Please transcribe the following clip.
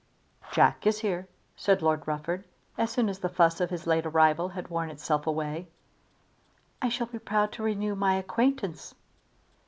"Jack is here," said Lord Rufford, as soon as the fuss of his late arrival had worn itself away. "I shall be proud to renew my acquaintance."